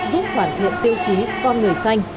giúp hoàn thiện tiêu chí con người xanh